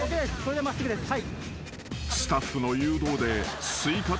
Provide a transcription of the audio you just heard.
はい。